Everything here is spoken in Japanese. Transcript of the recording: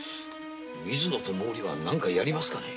水野と毛利は何かやりますかね？